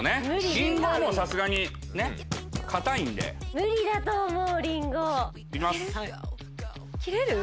りんごはもうさすがにねっ硬いんで無理だと思うりんごいきます切れる？